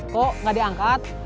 kok gak diangkat